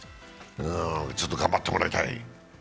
ちょっと頑張ってもらいたい。